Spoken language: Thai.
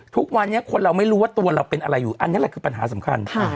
ทุกวันนี้คนเราไม่รู้ว่าตัวเราเป็นอะไรอยู่อันนี้แหละคือปัญหาสำคัญ